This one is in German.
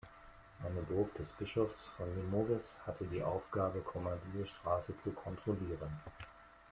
Eine Burg des Bischofs von Limoges hatte die Aufgabe, diese Straße zu kontrollieren.